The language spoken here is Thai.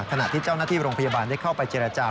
ขณะที่เจ้าหน้าที่โรงพยาบาลได้เข้าไปเจรจา